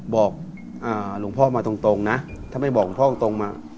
บอกหลวงพ่อมาตรงนะถ้าไม่บอกหลวงพ่อตรงมา